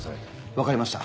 わかりました。